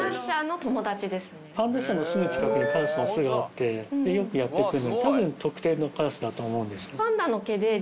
パンダ舎のすぐ近くにカラスの巣があってよくやって来るたぶん特定のカラスだと思うんです。